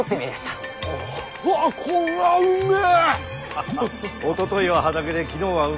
ハハおとといは畑で昨日は海。